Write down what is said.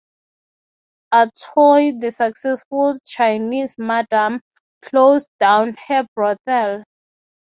Ah Toy, the successful Chinese madam, closed down her brothel.